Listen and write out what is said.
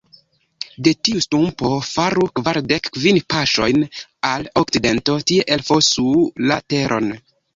De tiu stumpo faru kvardek kvin paŝojn al okcidento, tie elfosu la teron.